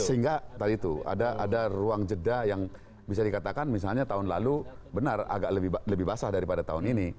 sehingga tadi itu ada ruang jeda yang bisa dikatakan misalnya tahun lalu benar agak lebih basah daripada tahun ini